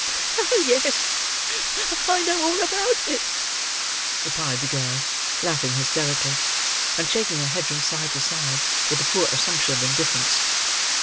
"Oh, yes, I know all about it," replied the girl, laughing hysterically; and shaking her head from side to side, with a poor assumption of indifference.